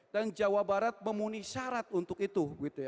dan jawa barat memuni syarat untuk itu